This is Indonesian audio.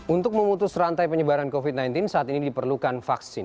untuk memutus rantai penyebaran covid sembilan belas saat ini diperlukan vaksin